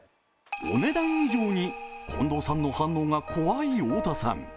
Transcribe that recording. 「お、ねだん以上」に近藤さんの反応が怖い太田さん。